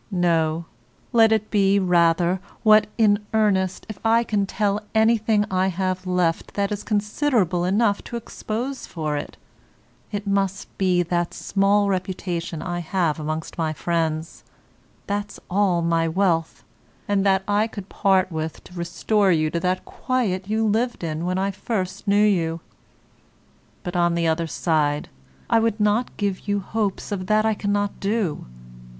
No, let it be rather what, in earnest, if I can tell anything I have left that is considerable enough to expose for it, it must be that small reputation I have amongst my friends, that's all my wealth, and that I could part with to restore you to that quiet you lived in when I first knew you. But, on the other side, I would not give you hopes of that I cannot do.